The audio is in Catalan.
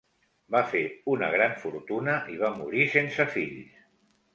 Va fer una gran fortuna i va morir sense fills.